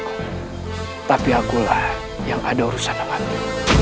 aku tidak punya urusan denganmu